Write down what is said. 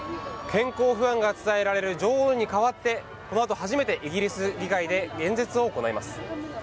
健康不安が伝えられる女王に代わってこのあと初めてイギリス議会で演説を行います。